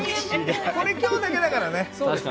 これ今日だけだからね。